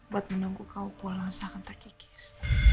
buat menunggu kau pulang seakan terkikis